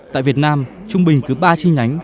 tại việt nam trung bình cứ ba chi nhánh